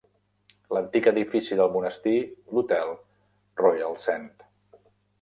L'antic edifici del monestir, l'Hotel Royal-St.